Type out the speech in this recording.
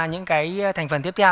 những cái thành phần tiếp theo